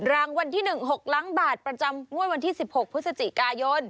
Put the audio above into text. รางวัลที่๑๖ล้านบาทประจำงวดวันที่๑๖พฤศจิกายน